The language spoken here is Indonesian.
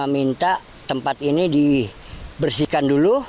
minta tempat ini dibersihkan dulu